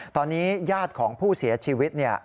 ตอนนี้ญาติของผู้เสียชีวิต